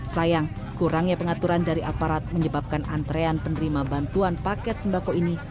sayang kurangnya pengaturan dari aparat menyebabkan antrean penerima bantuan paket sembako ini